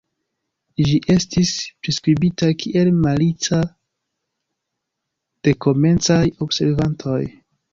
Ĝi estis priskribita kiel "malica" de komencaj observantoj.